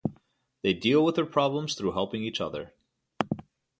They deal with their problems through helping each other.